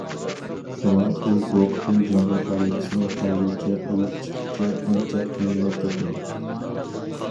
شۇڭا ئۇ بۇ قېتىم جۇڭگو خەرىتىسىنى خەنزۇچە ئويۇپ چىققۇچە ئانچە قىينىلىپ كەتمىدى.